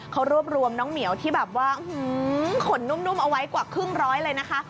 เขารวบรวมน้องเหมียวที่แบบว่าขนนุ่มเอาไว้กว่าครึ่งร้อยเลยนะคะ